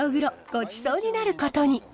ごちそうになることに！